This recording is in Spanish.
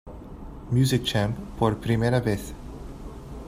Music Champ" por primera vez.